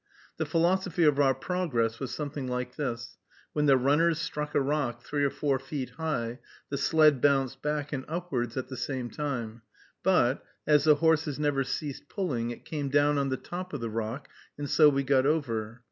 The philosophy of our progress was something like this: when the runners struck a rock three or four feet high, the sled bounced back and upwards at the same time; but, as the horses never ceased pulling, it came down on the top of the rock, and so we got over.